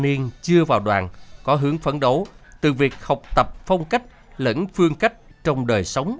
niên chưa vào đoàn có hướng phấn đấu từ việc học tập phong cách lẫn phương cách trong đời sống